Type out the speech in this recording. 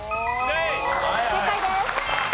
正解です。